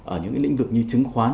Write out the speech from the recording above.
ở những lĩnh vực như chứng khoán